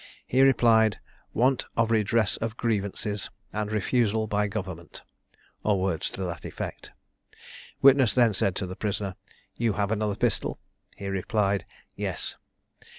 He replied, "Want of redress of grievances, and refusal by government," or words to that effect. Witness then said to the prisoner, "You have another pistol?" He replied, "Yes."